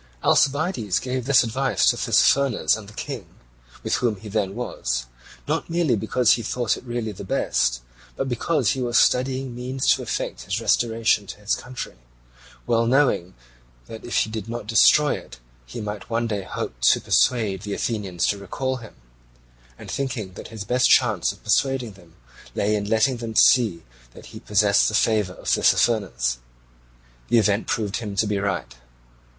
Alcibiades gave this advice to Tissaphernes and the King, with whom he then was, not merely because he thought it really the best, but because he was studying means to effect his restoration to his country, well knowing that if he did not destroy it he might one day hope to persuade the Athenians to recall him, and thinking that his best chance of persuading them lay in letting them see that he possessed the favour of Tissaphernes. The event proved him to be right.